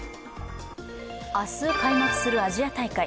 明日開幕するアジア大会。